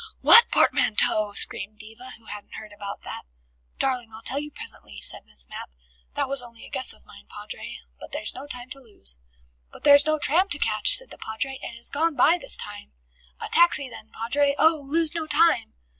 "What portmanteau?" screamed Diva, who hadn't heard about that. "Darling, I'll tell you presently," said Miss Mapp. "That was only a guess of mine, Padre. But there's no time to lose." "But there's no tram to catch," said the Padre. "It has gone by this time." "A taxi then, Padre! Oh, lose no time!"